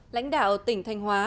lãnh đạo tỉnh thanh hóa